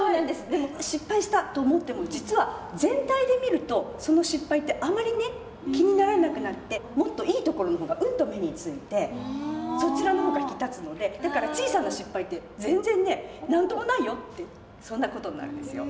でも失敗したと思っても実は全体で見るとその失敗ってあまりね気にならなくなってもっといいところの方がうんと目に付いてそちらの方が引き立つのでだから小さな失敗って全然ね何ともないよってそんな事になるんですよ。